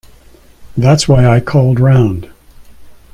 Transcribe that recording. That’s why I called round.